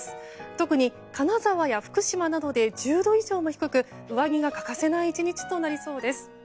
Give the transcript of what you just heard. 特に金沢や福島などで１０度以上も低く上着が欠かせない１日となりそうです。